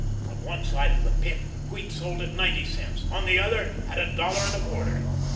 On one side of the Pit wheat sold at ninety cents, on the other at a dollar and a quarter.